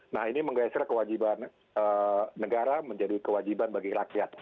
nah ini menggeser kewajiban negara menjadi kewajiban bagi rakyat